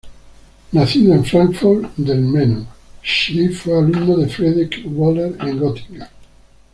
Nacido en Fráncfort del Meno, Schiff fue alumno de Friedrich Wöhler en Gotinga.